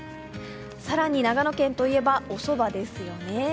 更に、長野県といえばおそばですよね。